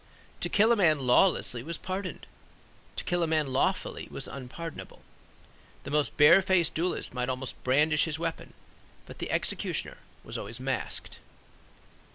To kill a man lawlessly was pardoned. To kill a man lawfully was unpardonable. The most bare faced duelist might almost brandish his weapon. But the executioner was always masked.